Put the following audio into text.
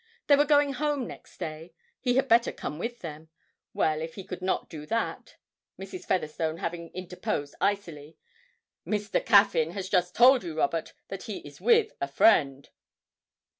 They were going home next day, he had better come with them. Well, if he could not do that (Mrs. Featherstone having interposed icily, 'Mr. Caffyn has just told you, Robert, that he is with a friend!')